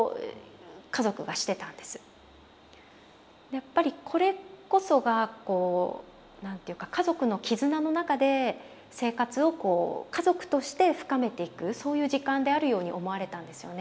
やっぱりこれこそがこう何ていうか家族の絆の中で生活をこう家族として深めていくそういう時間であるように思われたんですよね。